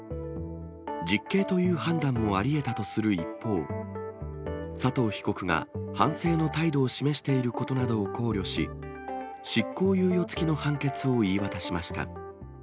実刑という判断もありえたとする一方、佐藤被告が反省の態度を示していることなどを考慮し、執行猶予付きの判決を言い渡しました。